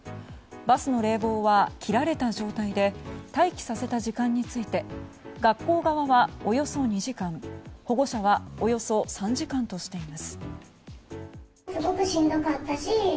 バスの冷房は切られた状態で待機させた時間について学校側はおよそ２時間、保護者はおよそ３時間としています。